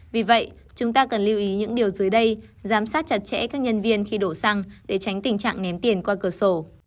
vì vậy chúng ta cần lưu ý những điều dưới đây giám sát chặt chẽ các nhân viên khi đổ xăng để tránh tình trạng ném tiền qua cửa sổ